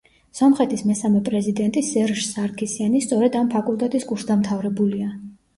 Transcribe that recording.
სომხეთის მესამე პრეზიდენტი სერჟ სარქისიანი სწორედ ამ ფაკულტეტის კურსდამთავრებულია.